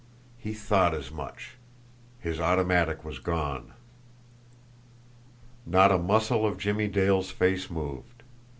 He thought as much! His automatic was gone! Not a muscle of Jimmie Dale's face moved.